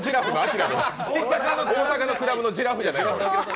大阪のクラブのジラフじゃない。